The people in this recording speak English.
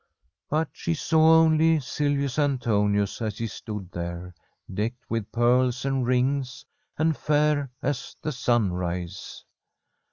But she saw only Silvius Antonius, as he stood there, decked with pearls and rings, and fair as the sunrise.